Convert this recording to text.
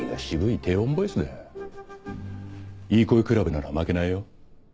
いい声比べなら負けないよ。